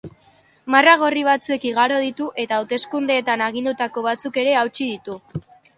Marra gorri batzuek igaro ditu eta hauteskundeetan agindutako batzuk ere hautsi ditu.